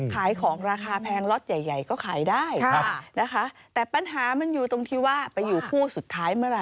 ใครก็ฝืนกับผู้อยู่ในคูตร